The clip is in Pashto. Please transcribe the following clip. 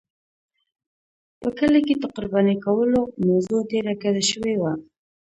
په کلي کې د قربانۍ کولو موضوع ډېره ګډه شوې وه.